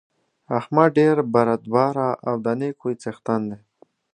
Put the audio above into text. احمد ډېر بردباره او د نېک خوی څېښتن دی.